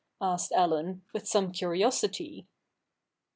asked Allen, with some curiosity.